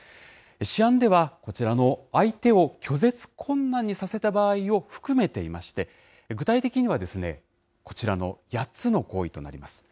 試案では、こちらの相手を拒絶困難にさせた場合を含めていまして、具体的には、こちらの８つの行為となります。